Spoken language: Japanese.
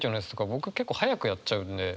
僕結構早くやっちゃうんで。